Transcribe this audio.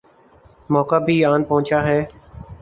موقع بھی آن پہنچا ہے۔